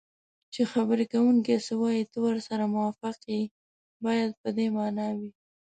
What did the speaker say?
چې خبرې کوونکی څه وایي ته ورسره موافق یې باید په دې مانا وي